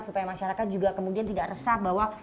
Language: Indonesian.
supaya masyarakat juga kemudian tidak resah bahwa